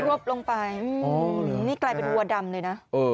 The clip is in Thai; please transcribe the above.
วบลงไปนี่กลายเป็นวัวดำเลยนะ